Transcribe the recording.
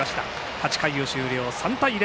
８回終了で３対０。